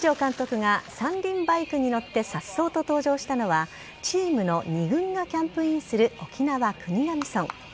新庄監督が３輪バイクに乗ってさっそうと登場したのは、チームの２軍がキャンプインする沖縄・国頭村。